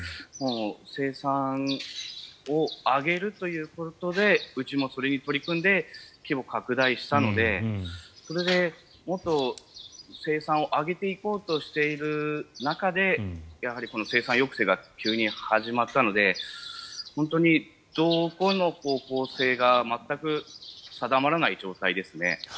生産を上げるということでうちもそれに取り組んで規模を拡大したのでそれで、もっと生産を上げていこうとしている中で生産抑制が急に始まったので本当に方向性が全く定まらない状態ですね。